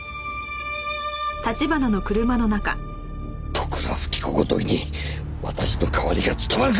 利倉富貴子ごときに私の代わりが務まるか！